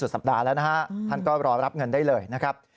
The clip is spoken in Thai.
ท่านก็รอรับเงินได้เลยนะครับ